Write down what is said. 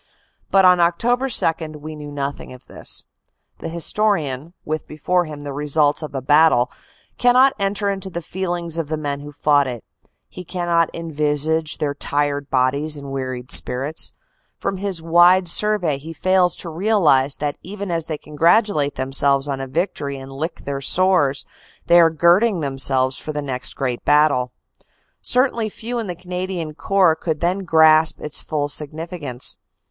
But on Oct. 2 we knew nothing of this. The historian, with before him the results of a battle, cannot enter into the feelings of the men who fought it; he cannot envisage their tired bodies and weary spirits; from his wide survey he fails to realize that even as they congratulate themselves on a victory and lick their sores, they are girding themselves for the next great battle. Certainly few in the Canadian Corps could then grasp its full significance.